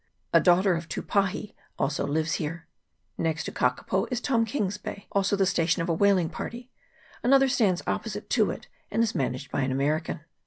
A daughter of Tupahi also lives here. Next to Kakapo is Tom King's Bay, also the station of a whaling party ; another stands opposite to it, and is managed by an American.